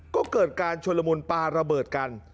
ก็เกิดการชนละมุนปลาระเบิดกัน